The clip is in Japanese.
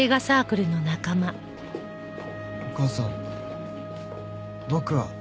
お母さん僕は。